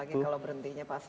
ya apalagi kalau berhentinya pas